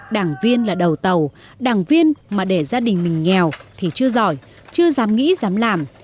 đảng viên là đầu tàu đảng viên mà để gia đình mình nghèo thì chưa giỏi chưa dám nghĩ dám làm